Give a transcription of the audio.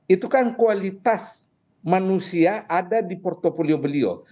itu kan kualitas manusia ada di portfolio beliau